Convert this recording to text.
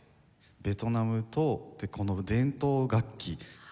ベトナムとでこの伝統楽器。